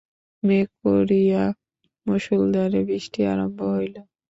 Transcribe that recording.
মেঘ করিয়া মুষলধারে বৃষ্টি আরম্ভ হইল।